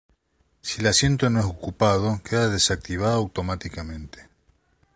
Si el asiento no es ocupado queda desactivado automáticamente.